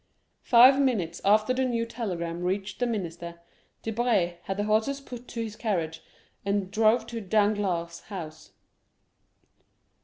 Five minutes after the new telegram reached the minister, Debray had the horses put to his carriage, and drove to Danglars' house.